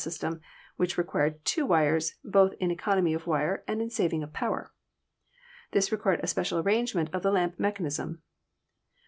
system, which required two wires, both in economy of wire and in saving of power. This required a special arrangement of the lamp mechanism.